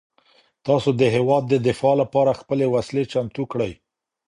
تاسو د هیواد د دفاع لپاره خپلې وسلې چمتو کړئ.